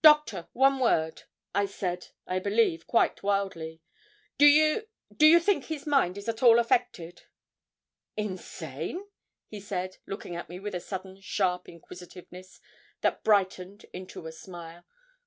'Doctor, one word,' I said, I believe, quite wildly. 'Do you do you think his mind is at all affected?' 'Insane?' he said, looking at me with a sudden, sharp inquisitiveness, that brightened into a smile.